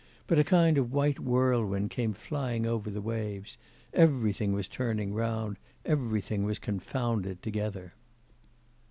But a kind of white whirlwind came flying over the waves everything was turning round, everything was confounded together.